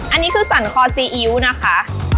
อันนี้คือสรรคอซีอิ๊วนะคะ